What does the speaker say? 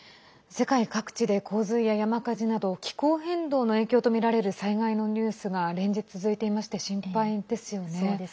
世界各地で洪水や山火事など気候変動の影響とみられる災害のニュースが連日続いていまして心配ですよね。